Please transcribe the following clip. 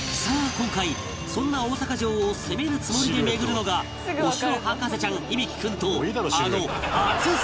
今回そんな大阪城を攻めるつもりで巡るのがお城博士ちゃん響大君とあの熱すぎる男